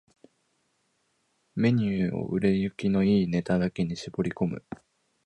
ⅱ メニューを売れ行きの良いネタだけに絞り込む